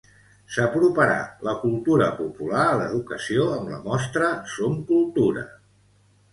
S'aproparà la cultura popular a l'educació amb la mostra Som Cultura.